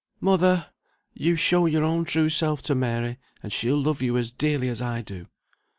"Mother! you show your own true self to Mary, and she'll love you as dearly as I do."